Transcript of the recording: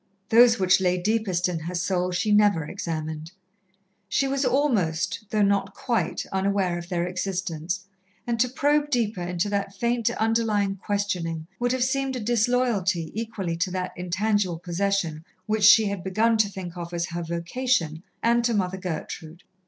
Those which lay deepest in her soul, she never examined. She was almost, though not quite, unaware of their existence, and to probe deeper into that faint, underlying questioning would have seemed a disloyalty equally to that intangible possession which she had begun to think of as her vocation, and to Mother Gertrude.